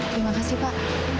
terima kasih pak